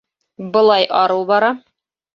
— Былай арыу бара.